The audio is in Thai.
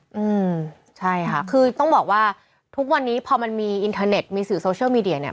อืมใช่ค่ะคือต้องบอกว่าทุกวันนี้พอมันมีอินเทอร์เน็ตมีสื่อโซเชียลมีเดียเนี้ย